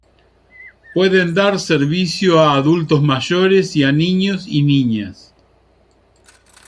Pueden dar servicio a adultos mayores y a niños y niñas.